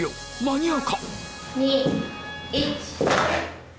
間に合うか？